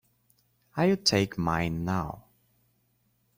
I'll take mine now.